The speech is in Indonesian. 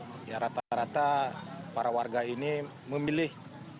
jadi ya rata rata para warga ini memilih